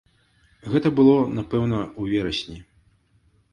Гэта было, напэўна, у верасні.